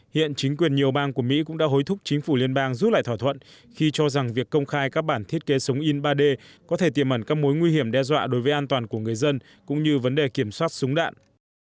hiện chính quyền nhiều bang của mỹ cũng đã hối thúc chính phủ liên bang rút lại thỏa thuận khi cho rằng việc công khai các bản thiết kế súng in ba d có thể tiềm ẩn các mối nguy hiểm đe dọa đối với an toàn của người dân cũng như vấn đề kiểm soát súng đạn